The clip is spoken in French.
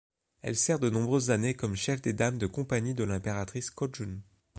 Elle sert de nombreuses années comme chef des dames de compagnie de l'impératrice Kōjun.